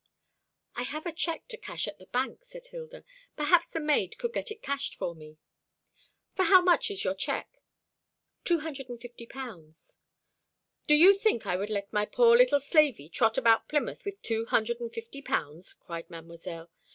"I have a cheque to cash at the Bank," said Hilda. "Perhaps the maid could get it cashed for me." "For how much is your cheque?" "Two hundred and fifty pounds." "Do you think I would let my poor little slavey trot about Plymouth with two hundred and fifty pounds?" cried Mdlle.